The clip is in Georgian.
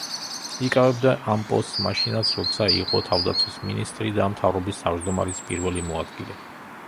იკავებდა ამ პოსტს მაშინაც, როცა იყო თავდაცვის მინისტრი და მთავრობის თავმჯდომარის პირველი მოადგილე.